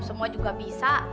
semua juga bisa